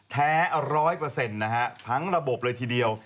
แท้ร้อยเปอร์เซ็นต์นะฮะทั้งระบบเลยทีเดียว